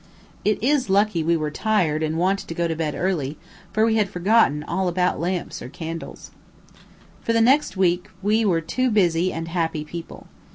It is lucky we were tired and wanted to go to bed early, for we had forgotten all about lamps or candles. For the next week we were two busy and happy people.